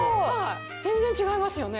全然違いますよね。